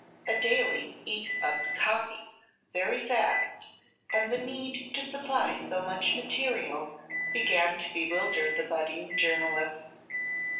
A daily eats up "copy" very fast and the need to supply so much material began to bewilder the budding journalists.